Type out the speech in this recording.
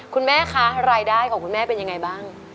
คุณแม่คะรายได้ของคุณแม่เป็นยังไงบ้าง